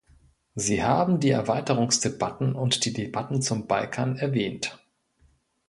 Sie haben die Erweiterungsdebatten und die Debatten zum Balkan erwähnt.